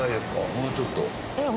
もうちょっと。